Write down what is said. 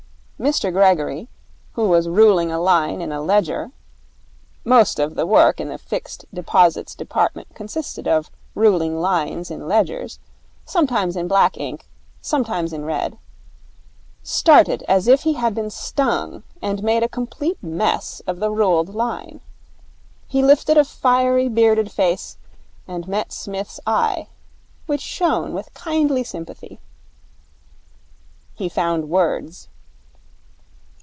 Mr Gregory, who was ruling a line in a ledger most of the work in the Fixed Deposits Department consisted of ruling lines in ledgers, sometimes in black ink, sometimes in red started as if he had been stung, and made a complete mess of the ruled line. He lifted a fiery, bearded face, and met Psmith's eye, which shone with kindly sympathy. He found words.